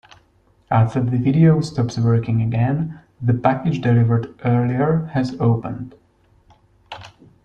After the video stops working again, the package delivered earlier has opened.